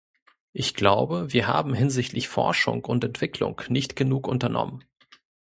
Ich glaube, wir haben hinsichtlich Forschung und Entwicklung nicht genug unternommen.